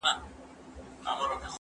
هغه وويل چي جواب ورکول مهم دي؟!